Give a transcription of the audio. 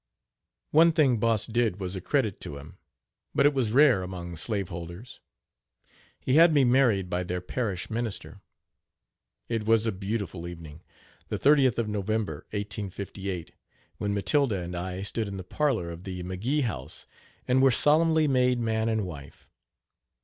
One thing Boss did was a credit to him, but it was rare among slave holders he had me married by their parish minister. It was a beautiful evening, the 30th of November, 1858, when Matilda and I stood in the parlor of the McGee house and were solemnly made man and wife.